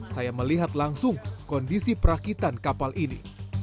saya melihat langsung kondisi perakitan kapal ini